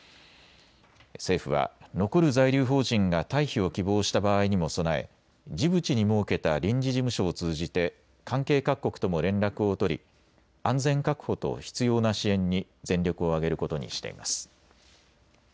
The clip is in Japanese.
政府は残る在留邦人が退避を希望した場合にも備えジブチに設けた臨時事務所を通じて関係各国とも連絡を取り安全確保と必要な支援に全力を挙げることにしています。